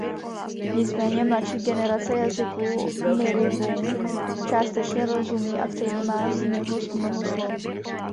Nicméně mladší generace jazyku miriwoong částečně rozumí a přejímá z něho mnoho slov.